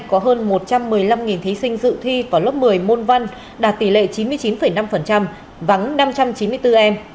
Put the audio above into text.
có hơn một trăm một mươi năm thí sinh dự thi vào lớp một mươi môn văn đạt tỷ lệ chín mươi chín năm vắng năm trăm chín mươi bốn em